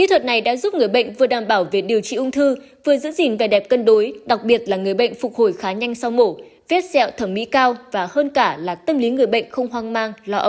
hãy đăng ký kênh để ủng hộ kênh của chúng mình nhé